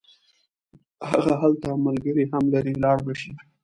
هغه هلته ملګري هم لري لاړ به شي.